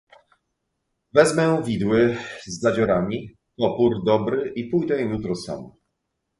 "Wezmę widły z zadziorami, topór dobry i pójdę jutro sam."